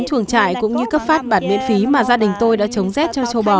chuồng trại cũng như cấp phát bạt miễn phí mà gia đình tôi đã chống rét cho châu bò